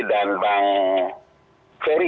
kemudian sekaligus memberikan pengkerahan kepada masyarakat